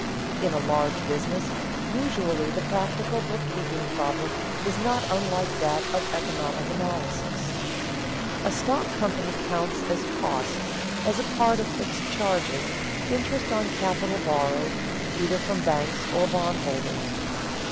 In a large business usually the practical bookkeeping problem is not unlike that of economic analysis. A stock company counts as cost, as a part of fixed charges, interest on capital borrowed either from banks or bondholders.